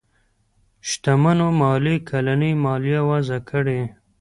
شتمنيو ماليې کلنۍ ماليه وضعه کړي.